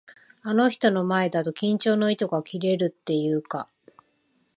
あの人の前だと、緊張の糸が切れるっていうか。